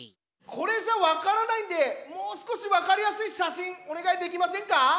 これじゃわからないんでもうすこしわかりやすいしゃしんおねがいできませんか？